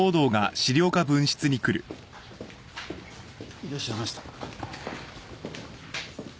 いらっしゃいました。